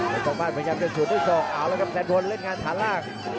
แล้วก็บ้านพยายามจะชุดด้วยสองอ๋าวแล้วก็แสดวนเล่นงานฐานลาก